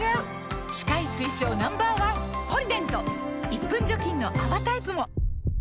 １分除菌の泡タイプも！